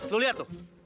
lo liat tuh